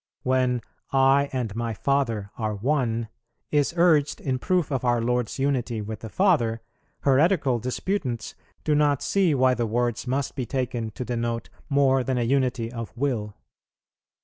When "I and My Father are One" is urged in proof of our Lord's unity with the Father, heretical disputants do not see why the words must be taken to denote more than a unity of will.